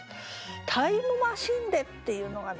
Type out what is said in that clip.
「タイムマシンで」っていうのがね